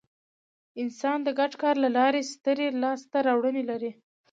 انسان د ګډ کار له لارې سترې لاستهراوړنې لرلې.